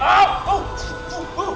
sembilan hari semua itu